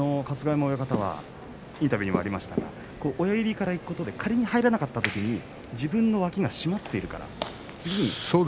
春日山親方のインタビューにもありましたが親指からいくことで仮に入らなかったときに自分の脇がしまっているからと。